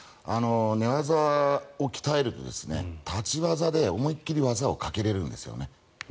寝技を鍛えると立ち技で思い切り技をかけられるんですよね。